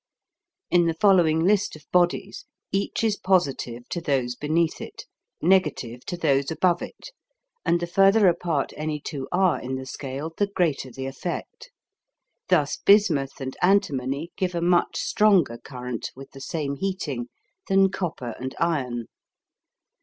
In the following list of bodies each is positive to those beneath it, negative to those above it, and the further apart any two are in the scale the greater the effect. Thus bismuth and antimony give a much stronger current with the same heating than copper and iron.